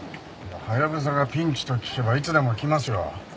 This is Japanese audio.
ハヤブサがピンチと聞けばいつでも来ますよ。